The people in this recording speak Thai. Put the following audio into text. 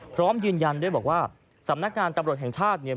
พร้อมยืนยันด้วยบอกว่าสำนักงานตำรวจแห่งชาติเนี่ย